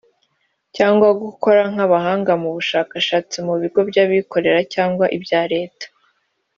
cyangwa gukora nk’abahanga mu bushakashatsi mu bigo by’abikorera cyangwa ibya Leta